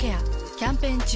キャンペーン中。